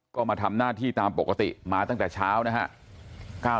ก็มาทำหน้าที่ตามปกติมาตั้งแต่เช้านะครับ